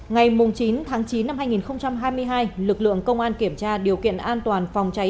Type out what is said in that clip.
ngày chín tháng chín năm hai nghìn hai mươi hai lực lượng công an kiểm tra điều kiện an toàn phòng cháy